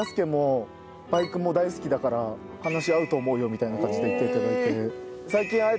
みたいな感じで言っていただいて。